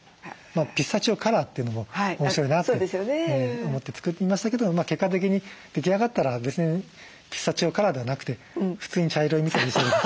ピスタチオカラーというのも面白いなって思って作りましたけど結果的に出来上がったら別にピスタチオカラーではなくて普通に茶色いみそでしたけども。